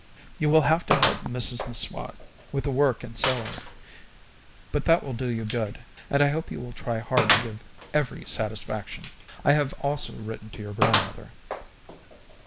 You will have to help Mrs M'Swat with the work and sewing; but that will do you good, and I hope you will try hard to give every satisfaction. I have also written to your grandmother.